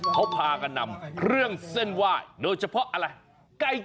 เขาพากันนำเครื่องเส้นไหว้โดยเฉพาะอะไร